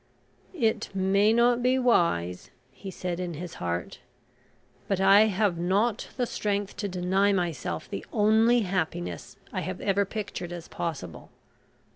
"It may not be wise," he said in his heart, "but I have not the strength to deny myself the only happiness I have ever pictured as possible.